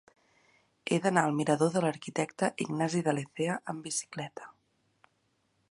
He d'anar al mirador de l'Arquitecte Ignasi de Lecea amb bicicleta.